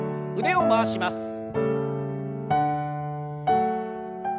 腕を回します。